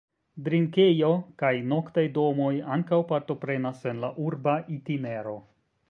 Drinkejo kaj noktaj domoj ankaŭ partoprenas en la urba itinero.